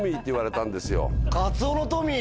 カツオのトミー？